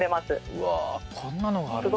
うわこんなのがあるんだ。